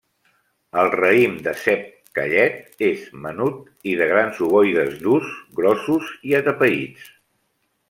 El raïm de cep callet, és menut, i de grans ovoides durs, grossos i atapeïts.